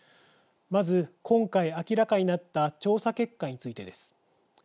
まず、今回明らかになった調査結果についてです。